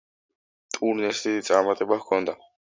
ტურნეს დიდი წარმატება ჰქონდა.